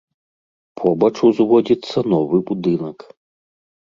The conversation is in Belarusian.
Побач узводзіцца новы будынак.